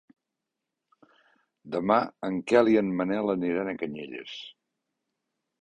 Demà en Quel i en Manel aniran a Canyelles.